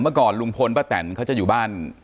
เมื่อก่อนลุงพลป้าแตนเขาจะอยู่บ้าน